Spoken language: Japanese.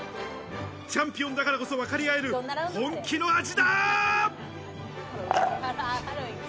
チャンピオンだからこそわかり合える本気の味だ。